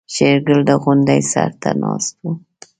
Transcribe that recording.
شېرګل د غونډۍ سر ته ناست و.